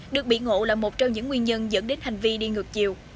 được bị ngộ là một trong những nguyên nhân dẫn đến hành vi đi ngược chiều